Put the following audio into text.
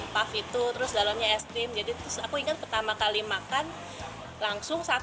puff itu terus dalamnya es krim jadi terus aku ingat pertama kali makan langsung satu